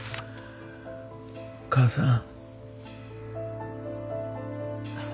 母さん。